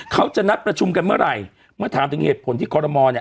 เขาจะนัดประชุมกันเมื่อไหร่เมื่อถามถึงเหตุผลที่คอรมอลเนี่ย